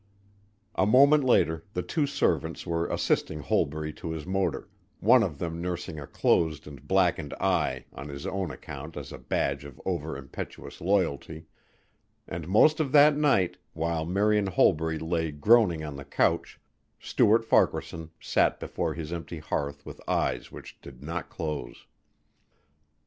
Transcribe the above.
A moment later the two servants were assisting Holbury to his motor, one of them nursing a closed and blackened eye on his own account as a badge of over impetuous loyalty; and most of that night, while Marian Holbury lay groaning on the couch, Stuart Farquaharson sat before his empty hearth with eyes which did not close.